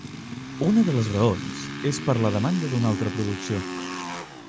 Una de les raons és per la demanda d'una alta producció.